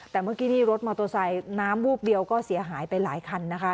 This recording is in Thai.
แต่เมื่อกี้นี่รถมอเตอร์ไซค์น้ำวูบเดียวก็เสียหายไปหลายคันนะคะ